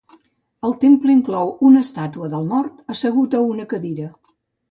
El temple inclou una estàtua del mort assegut a una cadira.